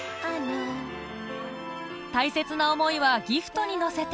大切な思いはギフトに乗せて